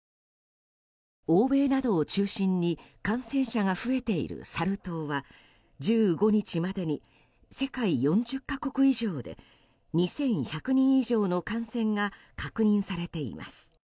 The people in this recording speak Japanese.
欧米などを中心に感染者が増えているサル痘は１５日までに世界４０か国以上で２１００人以上の感染が確認されています。